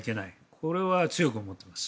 これは強く思っています。